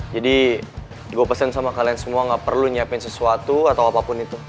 jadi gue pesen sama kalian semua gak perlu nyiapin sesuatu atau apapun itu